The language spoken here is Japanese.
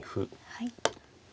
はい。